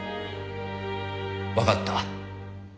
わかった。